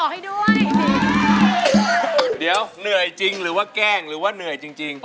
เดี๋ยวเหนื่อยจริงหรือว่าแกล้งหรือว่าเหนื่อยจริง